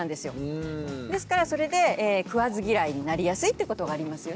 ですからそれで食わず嫌いになりやすいってことがありますよね。